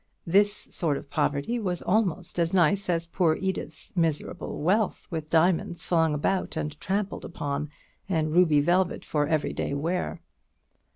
This sort of poverty was almost as nice as poor Edith's miserable wealth, with diamonds flung about and trampled upon, and ruby velvet for every day wear.